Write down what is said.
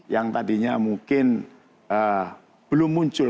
yang tadinya mungkin belum muncul